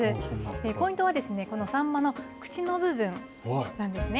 ポイントはこのサンマの口の部分なんですね。